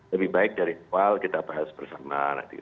lebih baik dari koal kita bahas bersama